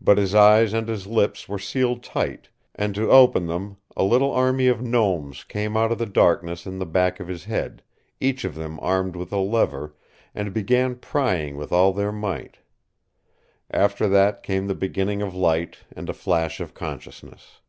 But his eyes and his lips were sealed tight, and to open them, a little army of gnomes came out of the darkness in the back of his head, each of them armed with a lever, and began prying with all their might. After that came the beginning of light and a flash of consciousness.